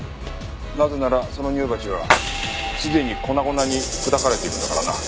なぜならその乳鉢はすでに粉々に砕かれているんだからな。